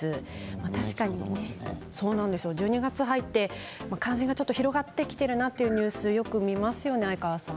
確かに１２月に入って感染が広がってきているなというニュースをよく見ますよね哀川さん。